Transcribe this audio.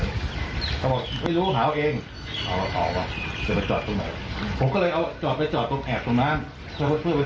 ในความที่คิดว่าเออผมจอดแป๊บเดียวกี่